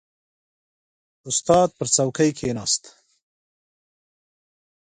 • استاد پر څوکۍ کښېناست.